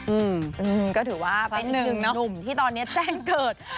อืมก็ถือว่าเป็นหนึ่งหนุ่มที่ตอนนี้แจ้งเกิด